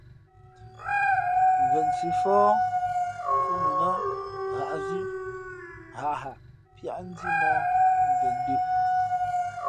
Vensǐ fóh mfhʉ̄ mα nά ghǎʼzú ghaʼghaʼ píá njímóh mvěn ndʉ̄ʼ.